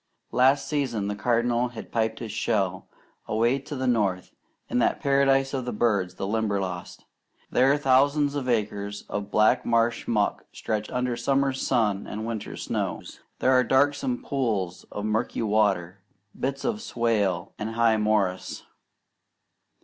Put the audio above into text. Last season the Cardinal had pipped his shell, away to the north, in that paradise of the birds, the Limberlost. There thousands of acres of black marsh muck stretch under summers' sun and winters' snows. There are darksome pools of murky water, bits of swale, and high morass.